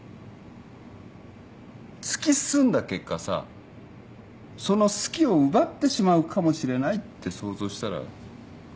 突き進んだ結果さその「好き」を奪ってしまうかもしれないって想像したら。